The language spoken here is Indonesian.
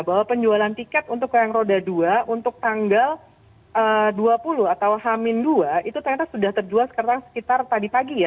bahwa penjualan tiket untuk yang roda dua untuk tanggal dua puluh atau hamin dua itu ternyata sudah terjual sekarang sekitar tadi pagi ya